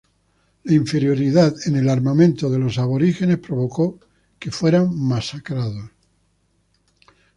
La inferioridad en el armamento de los aborígenes provocó que fueran masacrados.